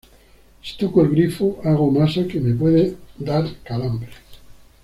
si toco el grifo, hago masa, que me puede dar calambre